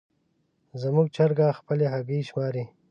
زموږ چرګه خپلې هګۍ شماري.